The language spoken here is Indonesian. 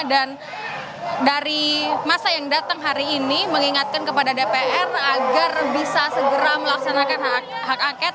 dan dari masa yang datang hari ini mengingatkan kepada dpr agar bisa segera melaksanakan hak angket